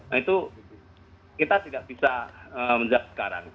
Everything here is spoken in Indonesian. nah itu kita tidak bisa menjawab sekarang